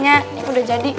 ini udah jadi